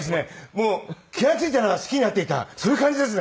もう気が付いたら好きになっていたそういう感じですね